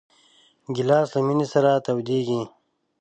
ګیلاس له مېنې سره تودېږي.